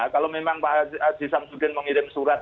kalau memang pak haji samsudin mengirim surat